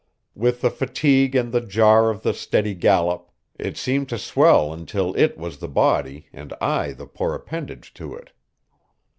With the fatigue and the jar of the steady gallop, it seemed to swell until it was the body and I the poor appendage to it.